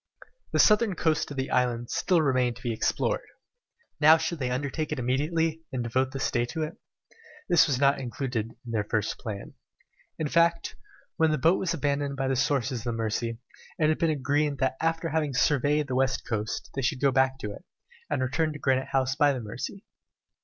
The southern coast of the island still remained to be explored. Now should they undertake it immediately, and devote this day to it? This was not included in their first plan. In fact, when the boat was abandoned at the sources of the Mercy, it had been agreed that after having surveyed the west coast, they should go back to it, and return to Granite House by the Mercy.